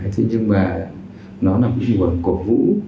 thế nhưng mà nó là một nguồn cổ vũ